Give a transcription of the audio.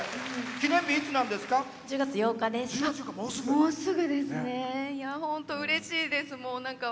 記念日、いつなんですか？